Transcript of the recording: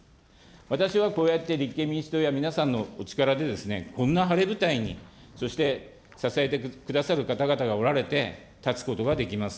私はこうやって立憲民主党や皆さんのお力で、こんな晴れ舞台に、そして支えてくださる方々がおられて立つことができます。